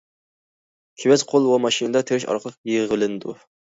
كېۋەز قول ۋە ماشىنىدا تېرىش ئارقىلىق يىغىۋېلىنىدۇ.